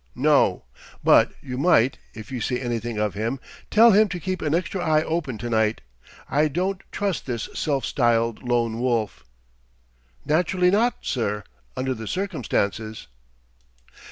"No.... But you might, if you see anything of him, tell him to keep an extra eye open to night. I don't trust this self styled Lone Wolf." "Naturally not, sir, under the circumstances."